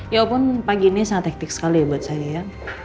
ya walaupun pagi ini sangat hektik sekali ya buat saya ya